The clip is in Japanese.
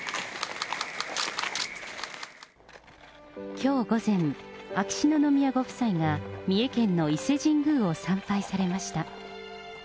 きょう午前、秋篠宮ご夫妻が三重県の伊勢神宮を参拝されました。